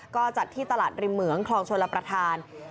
ก็จัดที่ตลาดริมเหมืองคลองชลประธาน